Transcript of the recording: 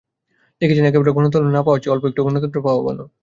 লিখেছেন, একেবারে গণতন্ত্র না পাওয়ার চেয়ে অল্প একটু গণতন্ত্র পাওয়াও ভালো।